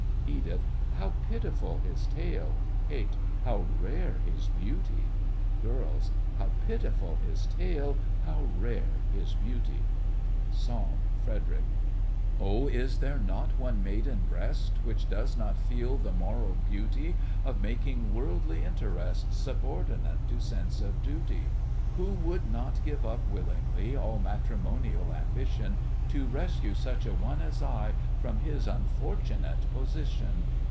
EDITH: How pitiful his tale! KATE: How rare his beauty GIRLS: How pitiful his tale! How rare his beauty! SONG—FREDERIC Oh, is there not one maiden breast Which does not feel the moral beauty Of making worldly interest Subordinate to sense of duty? Who would not give up willingly All matrimonial ambition, To rescue such a one as I From his unfortunate position?